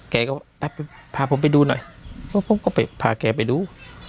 แกก็พาผมไปดูหน่อยเพราะผมก็ไปพาแกไปดู